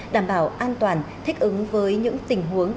đảm bảo an toàn thích ứng với những tình huống